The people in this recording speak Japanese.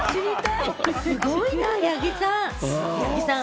すごいな八木さん。